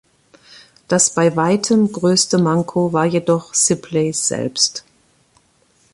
Das bei weitem größte Manko war jedoch Sibley selbst.